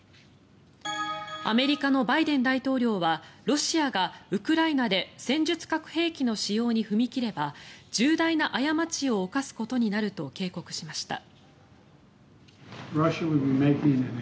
アメリカのバイデン大統領はロシアがウクライナで戦術核兵器の使用に踏み切れば重大な過ちを犯すことになると警告しました。